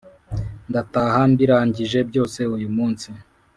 ndataha mbirangije byose uyu munsi